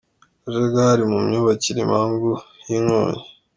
Akajagari mu myubakire, impamvu y’inkongi